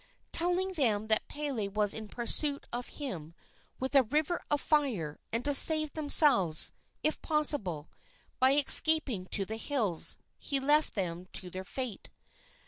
Telling them that Pele was in pursuit of him with a river of fire, and to save themselves, if possible, by escaping to the hills, he left them to their fate.